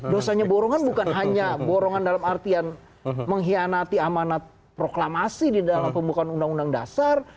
dosanya borongan bukan hanya borongan dalam artian mengkhianati amanat proklamasi di dalam pembukaan undang undang dasar